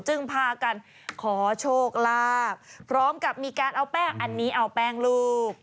พากันขอโชคลาภพร้อมกับมีการเอาแป้งอันนี้เอาแป้งลูก